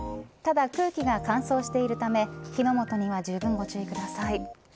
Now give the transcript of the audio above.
ただ、空気が乾燥しているため火の元にはじゅうぶんご注意ください。